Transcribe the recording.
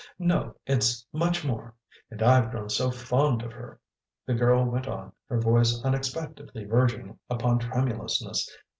"No, it's much more. And I've grown so fond of her!" the girl went on, her voice unexpectedly verging upon tremulousness.